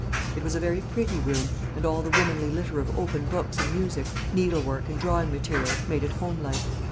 It was a very pretty room, and all the womanly litter of open books and music, needlework and drawing materials, made it homelike.